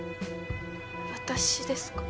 私ですか？